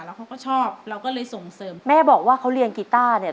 แล้วเขาก็ชอบเราก็เลยส่งเสริมแม่บอกว่าเขาเรียนกีต้าเนี่ย